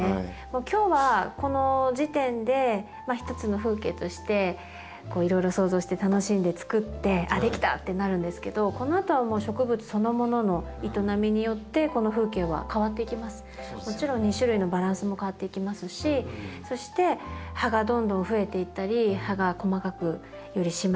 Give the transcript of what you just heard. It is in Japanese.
今日はこの時点でひとつの風景としていろいろ想像して楽しんでつくって「あっ出来た」ってなるんですけどこのあとはもちろん２種類のバランスも変わっていきますしそして葉がどんどん増えていったり葉が細かくより締まっていったりとか。